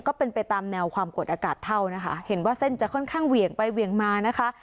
ก็เป็นไปตามแนวความกดอากาศเท่านะคะเห็นว่าเส้นจะค่อนข้างเหวี่ยงไปเหวี่ยงมานะคะ